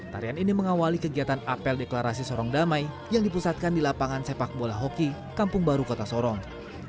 tarian ini mengawali kegiatan apel deklarasi sorong damai yang dipusatkan di lapangan sepak bola hoki kampung baru kota sorong